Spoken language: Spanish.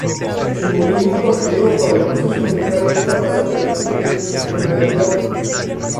El movimiento requerido para el proceso mental es la base de la interdisciplinariedad.